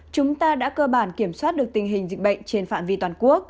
chúng ta đã cơ bản kiểm soát được tình hình dịch bệnh trên phạm vi toàn quốc